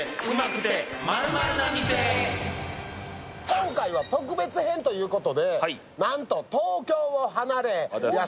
今回は特別編ということで、なんと東京を離れ安